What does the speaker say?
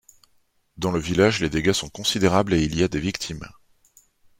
Dans le village les dégâts sont considérables et il y a des victimes.